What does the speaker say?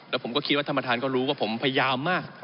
แต่ผมก็คิดว่าธรรมฐานก็รู้ว่าผมพยายามมาก